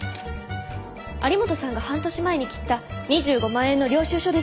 有本さんが半年前に切った２５万円の領収書です。